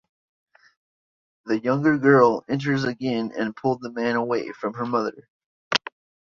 The young girl enters again and pull the man away from her mother.